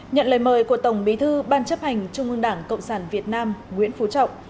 nhận lời mời của tổng bí thư ban chấp hành trung ương đảng cộng sản việt nam nguyễn phú trọng